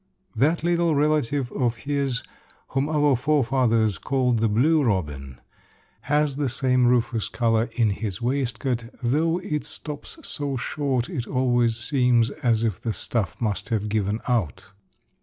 That little relative of his whom our forefathers called the "blue robin," has the same rufous color in his waistcoat, though it stops so short it always seems as if the stuff must have given out.